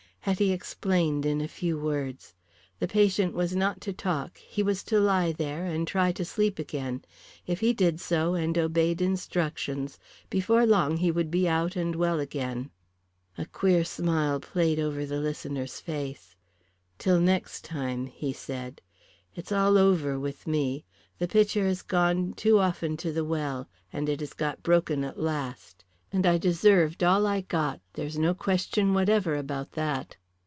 Hetty explained in a few words. The patient was not to talk. He was to lie there and try to sleep again. If he did so and obeyed instructions, before long he would be out and well again. A queer smile played over the listener's face. "Till next time," he said. "It's all over with me. The pitcher has gone too often to the well, and it has got broken at last. And I deserved all I got there is no question whatever about that."